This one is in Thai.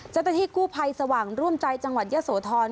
จังหน้าที่กู้ไพสว่างร่วมใจจังหวัดเย็ดโสธร